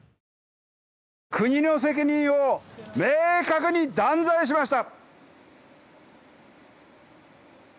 国の責任を明確に断罪しました。